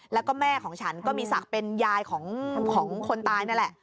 แล้วก็แม่ของฉันก็มีศักดิ์เป็นยายของคนตายนั่นแหละ